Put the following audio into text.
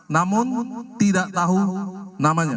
namun tidak tahu namanya